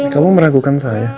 kamu meragukan saya